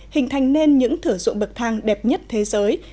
hình thành nên những thử dụng bậc thang đẹp nhất thế giới